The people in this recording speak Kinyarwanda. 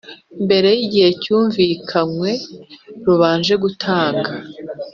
Mbere y igihe cyumvikanywe rubanje gutanga